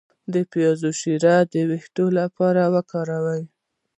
د پیاز شیره د ویښتو لپاره وکاروئ